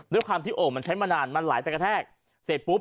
ด้วยความที่โอ่งมันใช้มานานมันไหลไปกระแทกเสร็จปุ๊บ